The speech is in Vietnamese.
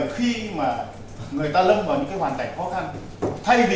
thì người ta nghĩ đến việc rút cái phao cứu sinh cuối cùng ra để trì điều